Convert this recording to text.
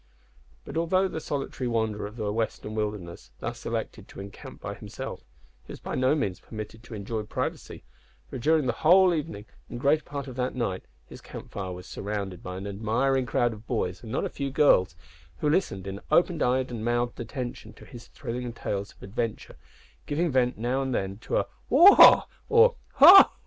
But, although the solitary wanderer of the western wilderness thus elected to encamp by himself, he was by no means permitted to enjoy privacy, for during the whole evening and greater part of that night his campfire was surrounded by an admiring crowd of boys, and not a few girls, who listened in open eyed and mouthed attention to his thrilling tales of adventure, giving vent now and then to a "waugh!" or a "ho!"